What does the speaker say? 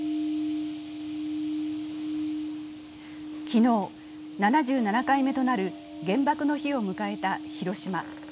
昨日、７７回目となる原爆の日を迎えた広島。